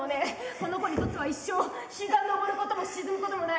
この子にとっては一生日が昇ることも沈むこともない。